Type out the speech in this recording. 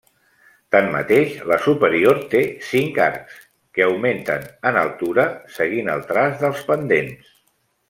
Tanmateix, la superior té cinc arcs que augmenten en altura seguint el traç dels pendents.